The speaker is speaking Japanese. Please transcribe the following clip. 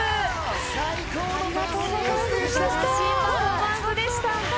最高のパフォーマンスでした。